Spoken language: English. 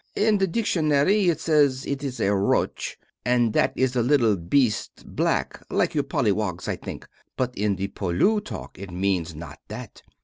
In the dictionary it say it is a "roach" and that is the little beast black like your pollywogs, I think. But in the Poilu talk it means not that.